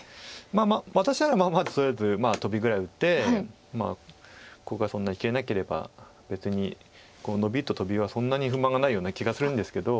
私ならまずとりあえずトビぐらい打ってまあここはそんなに生きがなければ別にノビとトビはそんなに不満がないような気がするんですけど。